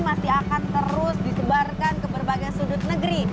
masih akan terus disebarkan ke berbagai sudut negeri